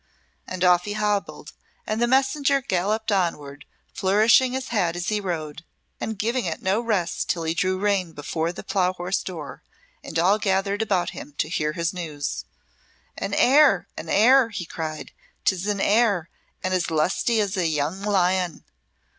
And off he hobbled, and the messenger galloped onward, flourishing his hat as he rode, and giving it no rest till he drew rein before the Plough Horse door, and all gathered about him to hear his news. "An heir an heir!" he cried. "'Tis an heir, and as lusty as a young lion.